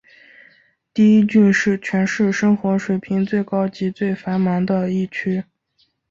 第一郡是全市生活水平最高及最繁忙的一区。